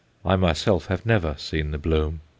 I myself have never seen the bloom.